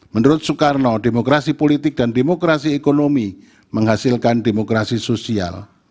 menurut soekarno demokrasi politik dan demokrasi ekonomi menghasilkan demokrasi sosial